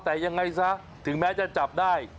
แต่ยังไงซะถึงแม้จะจับได้